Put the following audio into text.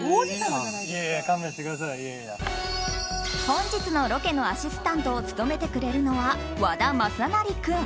本日のロケのアシスタントを務めてくれるのは和田雅成君。